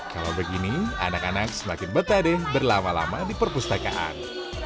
kalau begini anak anak semakin betah deh berlama lama di perpustakaan